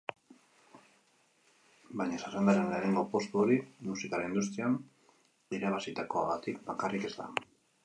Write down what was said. Baina zerrendaren lehenengo postu hori musikaren industrian irabazitakoagatik bakarrik ez da.